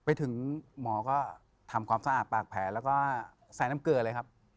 ไปถึงหมอก็ทำความสะอาดปากแผลแล้วก็ใส่น้ำเกลือเลยครับ